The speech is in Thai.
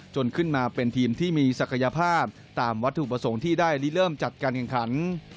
ขึ้นมาเป็นทีมที่มีศักยภาพตามวัตถุประสงค์ที่ได้ลิเริ่มจัดการแข่งขัน